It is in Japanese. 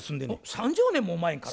３０年も前から？